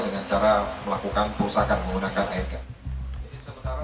dengan cara melakukan perusahaan menggunakan airgun